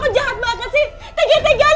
berantakan discovery program